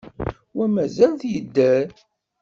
Wa mazal-t yedder.